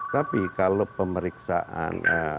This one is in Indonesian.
tapi kalau pemeriksaan